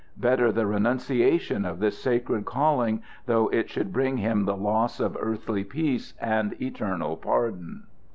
Better the renunciation of his sacred calling, though it should bring him the loss of earthly peace and eternal pardon.